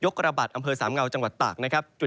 ก็คือบริเวณอำเภอเมืองอุดรธานีนะครับ